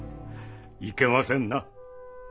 いけませんな。